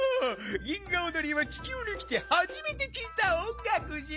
銀河おどりはちきゅうにきてはじめてきいた音がくじゃ。